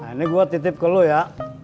ini gue titip ke lo ya